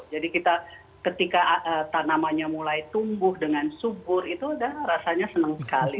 jadi kita ketika tanamannya mulai tumbuh dengan subur itu udah rasanya senang sekali